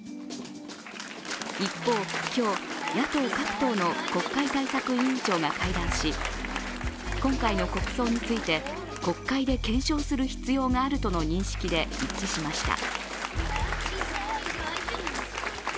一方、今日、野党各党の国会対策委員長が会談し今回の国葬について、国会で検証する必要があるとの認識で一致しました。